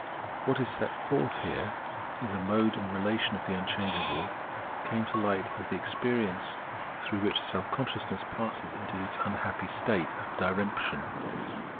J What is set forth here as a mode and relation of the unchangeable, came to light as the experience through which self consciousness passes in its unhappy state of diremption.